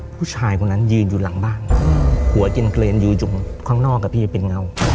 ผู้ชายคนนั้นยืนอยู่หลังบ้านหัวกินเกรนยืนอยู่ข้างนอกอะพี่จะเป็นเงา